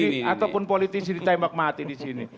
polisi ataupun politisi ditembak mati di sini